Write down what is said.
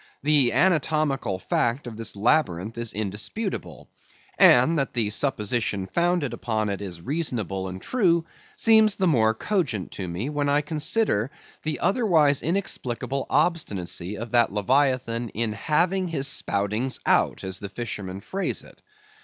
The anatomical fact of this labyrinth is indisputable; and that the supposition founded upon it is reasonable and true, seems the more cogent to me, when I consider the otherwise inexplicable obstinacy of that leviathan in having his spoutings out, as the fishermen phrase it.